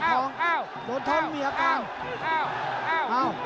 โดนท่องโดนท่องมีอาการ